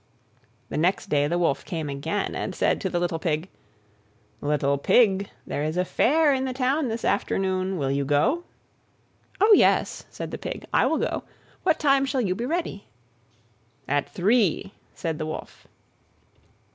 The next day the Wolf came again, and said to the little Pig, "Little Pig, there is a Fair in the Town this afternoon: will you go?" "Oh, yes," said the Pig, I will go; what time shall you be ready?" "At three," said the Wolf.